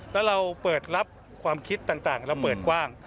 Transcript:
แล้วเราเปิดรับความคิดต่างเราเปิดกว้าง